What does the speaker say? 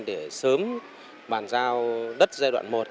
để sớm bàn giao đất giai đoạn một